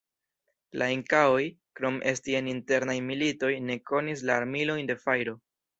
La Inkaoj, krom esti en internaj militoj ne konis la armilojn de fajro.